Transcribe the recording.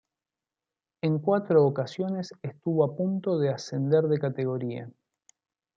En cuatro ocasiones estuvo a punto de ascender de categoría.